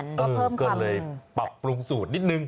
ในปรับปรุงสูตรนิดนึง